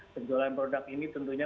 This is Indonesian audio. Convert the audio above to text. penjualan produk ini tentunya